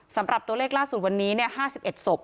สำหรับตัวเลขล่าสุดวันนี้๕๑ศพ